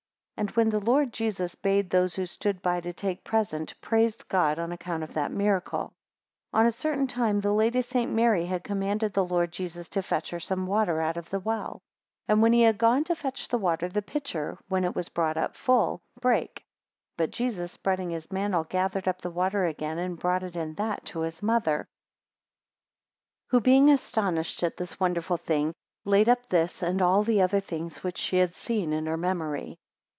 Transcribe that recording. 11 And when the Lord Jesus bade those who stood by to take present praised God on account of that miracle. 12 On a certain time the Lady St. Mary had commanded the Lord Jesus to fetch her some water out of the well; 13 And when he had gone to fetch the water, the pitcher, when it was brought up full, brake; 14 But Jesus spreading his mantle gathered up the water again, and brought it in that to his mother; 15 Who, being astonished at this wonderful thing, laid up this, and all the other things which she had seen, in her memory.